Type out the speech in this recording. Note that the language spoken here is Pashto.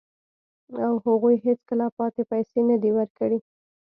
او هغوی هیڅکله پاتې پیسې نه دي ورکړي